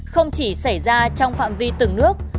không chỉ xảy ra trong phạm vi từng nước